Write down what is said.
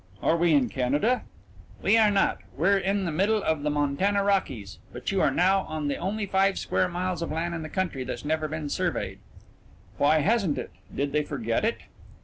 "Are we in Canada?" "We are not. We're in the middle of the Montana Rockies. But you are now on the only five square miles of land in the country that's never been surveyed." "Why hasn't it? Did they forget it?"